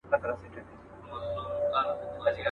شپې د ځوانۍ لکه شېبې د وصل وځلېدې.